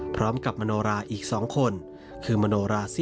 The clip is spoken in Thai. พร้อมกับมโนราอีก๒คน